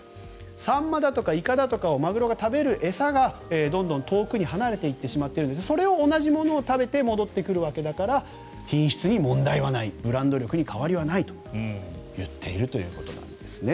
サンマだとかイカだとかマグロが食べる餌がどんどん遠くに離れていってしまっているのでそれは同じものを食べて戻ってくるわけだから品質に問題はないブランド力に変わりはないと言っているということです。